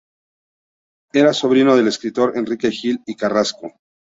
Era sobrino del escritor Enrique Gil y Carrasco.